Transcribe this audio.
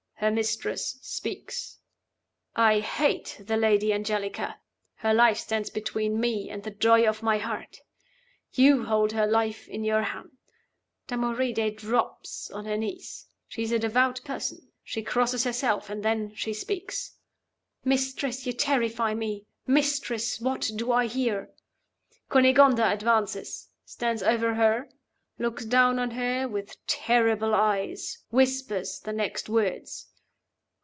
Her mistress speaks.) 'I hate the Lady Angelica. Her life stands between me and the joy of my heart. You hold her life in your hand.' (Damoride drops on her knees; she is a devout person; she crosses herself, and then she speaks.) 'Mistress, you terrify me. Mistress, what do I hear?' (Cunegonda advances, stands over her, looks down on her with terrible eyes, whispers the next words.)